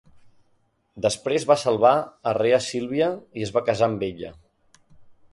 Després va salvar a Rea Sílvia i es va casar amb ella.